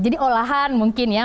jadi olahan mungkin ya